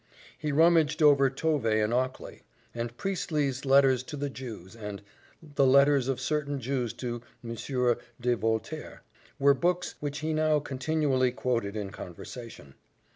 He rummaged over Tovey and Ockley; and "Priestley's Letters to the Jews," and "The Letters of certain Jews to M. de Voltaire," were books which he now continually quoted in conversation.